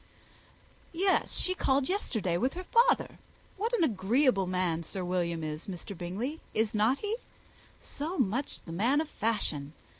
"Yes, she called yesterday with her father. What an agreeable man Sir William is, Mr. Bingley is not he? so much the man of fashion!